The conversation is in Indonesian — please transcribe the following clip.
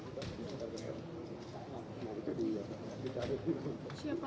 lagu kebangsaan indonesia raya